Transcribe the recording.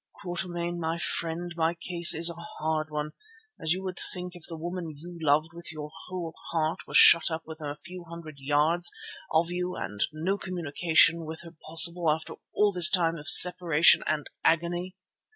Quatermain, my friend, my case is a hard one, as you would think if the woman you loved with your whole heart were shut up within a few hundred yards of you and no communication with her possible after all this time of separation and agony.